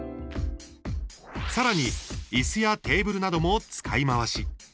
さらに、いすやテーブルなども使い回し。